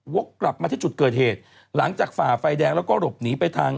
กลับมาที่จุดเกิดเหตุหลังจากฝ่าไฟแดงแล้วก็หลบหนีไปทาง